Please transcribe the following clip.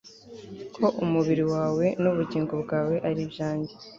ko umubiri wawe n'ubugingo bwawe ari ibyanjye